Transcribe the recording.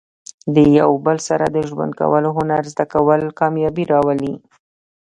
د یو بل سره د ژوند کولو هنر زده کول، کامیابي راولي.